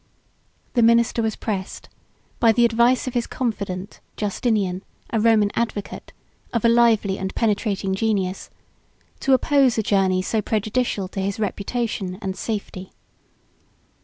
The minister was pressed, by the advice of his confidant, Justinian, a Roman advocate, of a lively and penetrating genius, to oppose a journey so prejudicial to his reputation and safety.